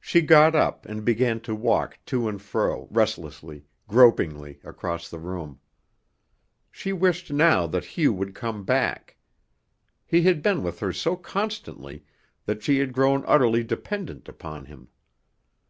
She got up and began to walk to and fro restlessly, gropingly across the room. She wished now that Hugh would come back. He had been with her so constantly that she had grown utterly dependent upon him.